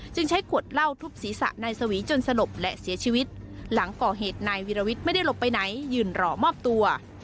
ใช้ขวดเหล้าทุบศีรษะนายสวีจนสลบและเสียชีวิตหลังก่อเหตุนายวิรวิทย์ไม่ได้หลบไปไหนยืนรอมอบตัว